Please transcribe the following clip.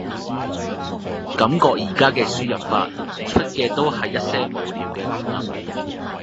感覺而家嘅輸入法，出嘅都係一些無聊嘅功能